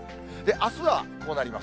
あすはこうなります。